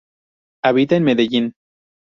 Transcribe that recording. Habita en medellin